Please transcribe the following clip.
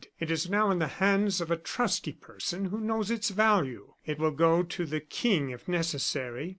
"It is now in the hands of a trusty person, who knows its value. It will go to the King if necessary.